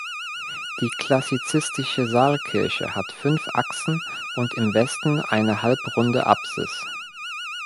Die klassizistische Saalkirche hat fünf Achsen und im Westen eine halbrunde Apsis.